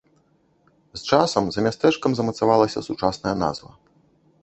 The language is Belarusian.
З часам за мястэчкам замацавалася сучасная назва.